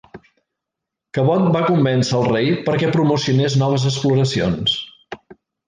Cabot va convèncer al rei perquè promocionés noves exploracions.